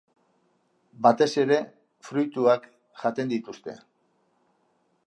Batez ere fruituak jaten dituzte.